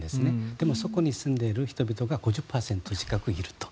でもそこに住む人々が５０％近くいると。